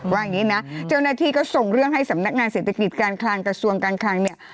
ว่าอย่างนี้นะเจ้าหน้าที่ก็ส่งเรื่องให้สำนักงานเศรษฐกิจการคลังกระทรวงการคลังเนี่ย